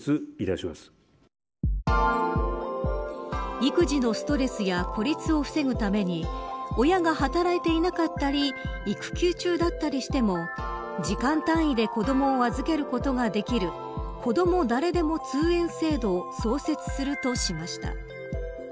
育児のストレスや孤立を防ぐために親が働いていなかったり育休中だったりしても時間単位で子ども預けることができるこども誰でも通園制度を創設するとしました。